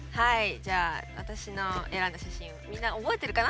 じゃあ私の選んだ写真みんな覚えてるかな？